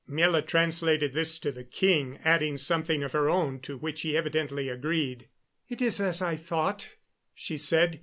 Miela translated this to the king, adding something of her own to which he evidently agreed. "It is as I thought," she said.